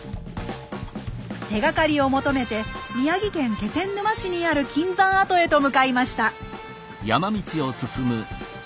手がかりを求めて宮城県気仙沼市にある金山跡へと向かいました。